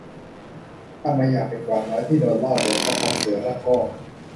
ถ้าไม่อยากเป็นกวางน้อยที่โดนล่อลวงเข้าถ้ำเสือละก็